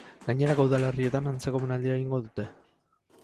Gainerako udalerrietan antzeko omenaldia egingo dute.